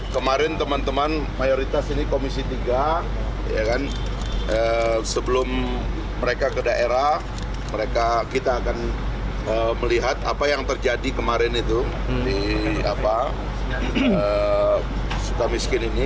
kemarin teman teman mayoritas ini komisi tiga sebelum mereka ke daerah mereka kita akan melihat apa yang terjadi kemarin itu di sukamiskin ini